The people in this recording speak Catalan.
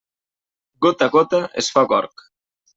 Gota a gota es fa gorg.